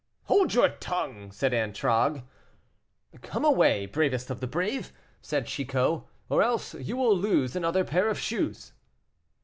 "Hold your tongue," said Antragues. "Come away, bravest of the brave," said Chicot, "or else you will lose another pair of shoes."